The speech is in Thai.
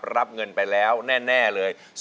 รับเงินไปแล้วแน่เลย